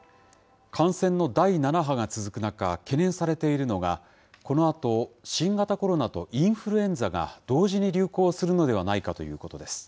感染の第７波が続く中、懸念されているのが、このあと、新型コロナとインフルエンザが同時に流行するのではないかということです。